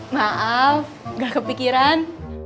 maaf gak kepikiran